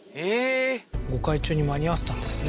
御開帳に間に合わせたんですね